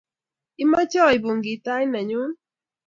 Imache aibu kitait nenyu?